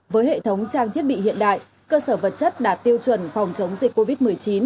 với hệ thống trang thiết bị hiện đại cơ sở vật chất đạt tiêu chuẩn phòng chống dịch covid một mươi chín